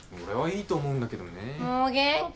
俺はいいと思うんだけどねー。